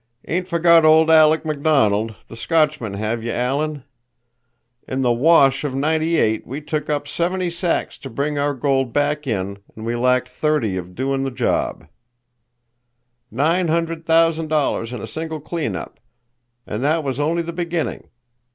"Ain't forgot old Aleck McDonald, the Scotchman, have you, Alan? In the 'wash' of Ninety eight we took up seventy sacks to bring our gold back in and we lacked thirty of doin' the job. Nine hundred thousand dollars in a single clean up, and that was only the beginning.